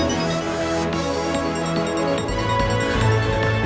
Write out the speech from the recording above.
kita pengen berartanah